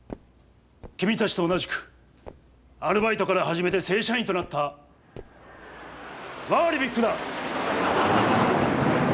君たちと同じくアルバイトから始めて正社員となったワーリビックだ！